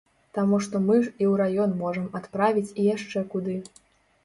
Таму што мы ж і ў раён можам адправіць і яшчэ куды.